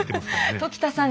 時田さん